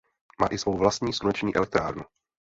Má i svou vlastní sluneční elektrárnu.